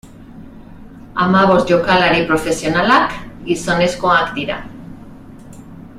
Hamabost jokalari profesionalak gizonezkoak dira.